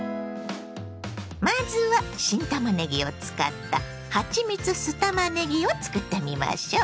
まずは新たまねぎを使った「はちみつ酢たまねぎ」を作ってみましょ。